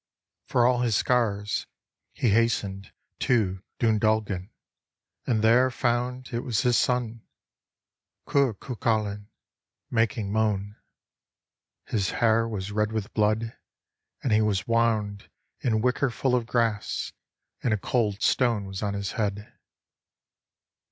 " For all his scars He hastened to Dun Dealgan, and there found It was his son, Curculain, making moan. "9 120 THE DEATH OF SUALTEM His hair was red with blood and he was wound In wicker full of grass, and a cold stone Was on his head.